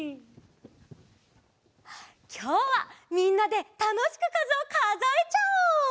きょうはみんなでたのしくかずをかぞえちゃおう！